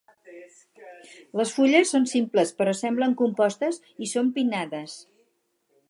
Les fulles són simples però semblen compostes i són pinnades.